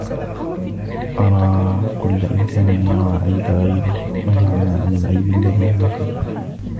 أرى كل إنسان يرى عيب غيره ويعمى عن العيب الذي هو فيه